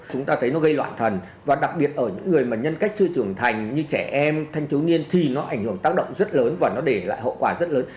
chúng ta thấy nó gây loạn thần và đặc biệt ở những người mà nhân cách chưa trưởng thành như trẻ em thanh thiếu niên thì nó ảnh hưởng tác động rất lớn và nó để lại hậu quả rất lớn